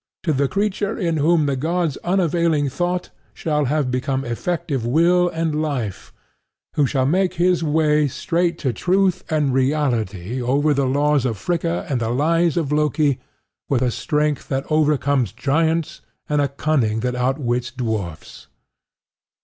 to the creature in whom the god's unavailing thought shall have become effective will and life, who shall make his way straight to truth and reality over the laws of Fricka and the lies of Loki with a strength that overcomes giants and a cunning that outwits dwarfs?